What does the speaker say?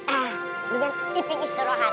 ah dengan iping istirahat